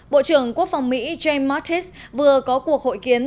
bộ trưởng quốc phòng mỹ jam mattis vừa có cuộc hội kiến